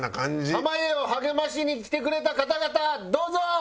濱家を励ましに来てくれた方々どうぞ！